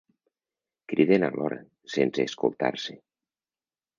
Criden alhora, sense escoltar-se.